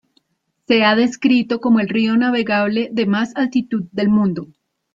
Se ha descrito como el río navegable de más altitud del mundo.